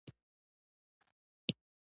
لکه زه چې بیخي په خوړو کې دلچسپي نه لرم.